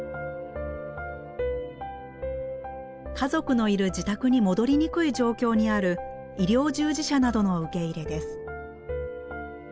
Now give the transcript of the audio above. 家族のいる自宅に戻りにくい状況にある医療従事者などの受け入れです。